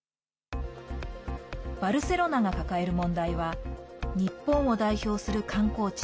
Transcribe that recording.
バルセロナが抱える問題は日本を代表する観光地